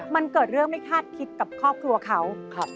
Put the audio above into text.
มันเกิดเรื่องไม่คาดคิดกับครอบครัวเขา